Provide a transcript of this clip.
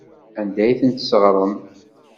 Anda ay ten-tesseɣrem?